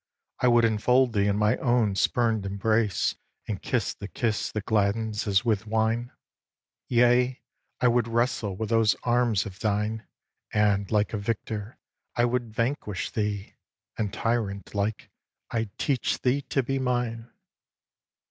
I would enfold thee in my spurn'd embrace And kiss the kiss that gladdens as with wine. Yea, I would wrestle with those arms of thine, And, like a victor, I would vanquish thee, And, tyrant like, I'd teach thee to be mine.